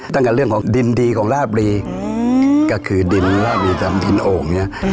ตั้งแต่เรื่องของดินดีของราบรีก็คือดินราบรีสำดินโอ่งเนี่ย